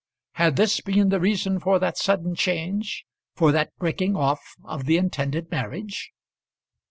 Had this been the reason for that sudden change, for that breaking off of the intended marriage?